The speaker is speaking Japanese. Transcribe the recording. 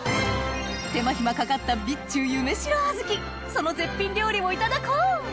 手間暇かかった備中夢白小豆その絶品料理をいただこう！